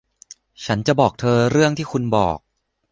ฉันจะบอกเธอเรื่องที่คุณบอก